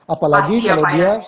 apalagi kalau dia